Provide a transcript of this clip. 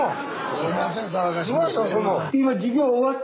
すいません騒がしくして。